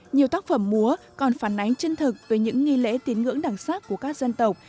nhiều tác phẩm múa còn phản ánh chân thực về những nghi lễ tiến ngưỡng đẳng sát của các dân tộc